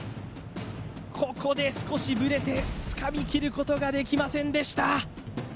ここで少しブレてつかみきることができませんでした